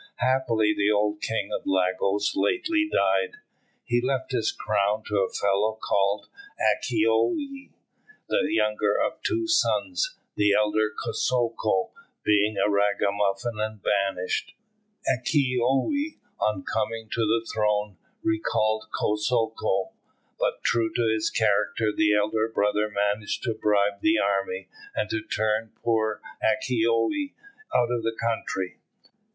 "Happily the old King of Lagos lately died. He left his crown to a fellow called Akitoye, the younger of two sons, the elder, Kosoko, being a ragamuffin and banished. Akitoye, on coming to the throne, recalled Kosoko; but, true to his character, the elder brother managed to bribe the army, and to turn poor Akitoye out of the country.